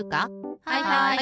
はいはい！